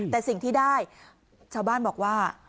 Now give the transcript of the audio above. แต่สิ่งที่ได้ชาวบ้านบอกว่า